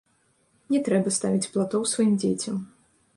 Не трэба ставіць платоў сваім дзецям.